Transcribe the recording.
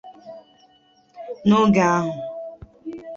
N'oge ahụ